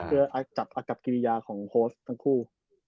เพื่อจับอากับกิริยาของโค้ชทั้งคู่